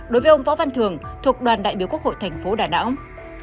đối với ông võ văn thường thuộc đoàn đại biểu quốc hội thành phố đà nẵng